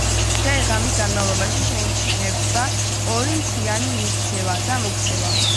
დღე-ღამის განმავლობაში შეიმჩნევა ორი მთლიანი მიქცევა და მოქცევა.